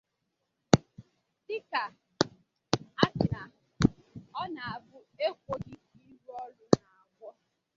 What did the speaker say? Dịka a sị na ọ na-abụ e kwòghị ìrùrò na gboo